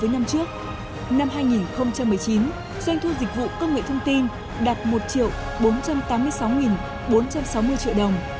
năm hai nghìn một mươi bảy xuyên thu dịch vụ công nghệ thông tin là bảy trăm năm mươi chín sáu trăm chín mươi hai triệu đồng